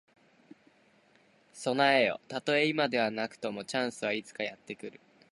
備えよ。たとえ今ではなくとも、チャンスはいつかやって来る。